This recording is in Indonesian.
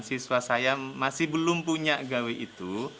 siswa saya masih belum punya gawe itu